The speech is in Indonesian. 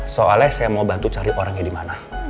soalnya saya mau bantu cari orangnya dimana